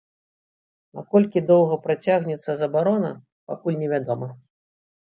Наколькі доўга працягнецца забарона, пакуль невядома.